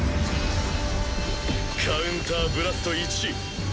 カウンターブラスト１！